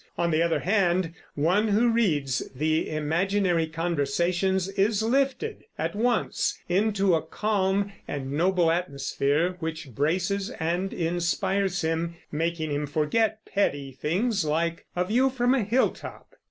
On the other hand, one who reads the Imaginary Conversations is lifted at once into a calm and noble atmosphere which braces and inspires him, making him forget petty things, like a view from a hilltop.